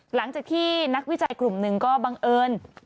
หลังจากที่นักวิจัยกลุ่มหนึ่งก็บังเอิญ